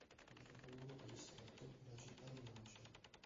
Il capoluogo di distretto è la città di Náchod.